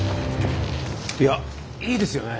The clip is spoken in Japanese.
いやいいですよねぇ。